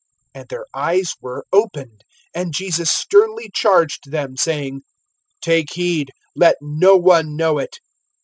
(30)And their eyes were opened. And Jesus sternly charged them, saying: Take heed, let no one know it.